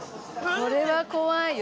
これは怖いよ。